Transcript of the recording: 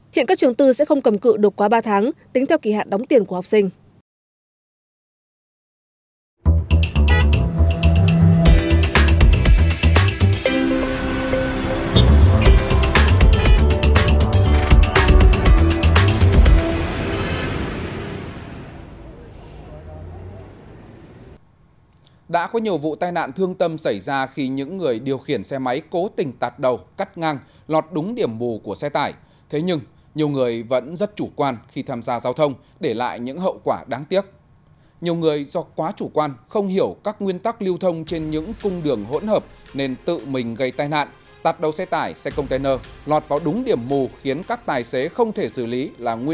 hiện các trường tư sẽ không cầm cự được qua ba tháng tính theo kỳ hạn đóng tiền của học sinh